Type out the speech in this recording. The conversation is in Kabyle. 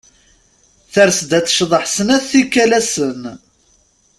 Ters-d ad tecḍeḥ snat tikal ass-n.